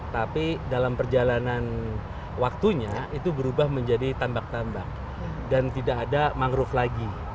tapi dalam perjalanan waktunya itu berubah menjadi tambak tambak dan tidak ada mangrove lagi